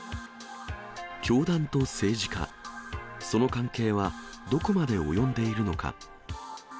教団と政治家、その関係はどこまで及んでいるのか。